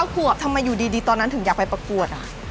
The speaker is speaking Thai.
ขวบทำไมอยู่ดีตอนนั้นถึงอยากไปประกวด